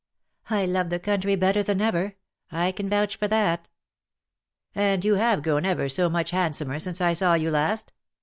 " I love the country better than ever. I can vouch for that." " And you have grown ever so much handsomer since I saw you last.